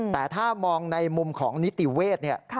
แต่ถ้ามองในมุมของนิติเวทย์